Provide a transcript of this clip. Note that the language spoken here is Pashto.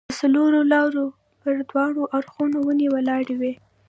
د څلورلارې پر دواړو اړخو ونې ولاړې وې.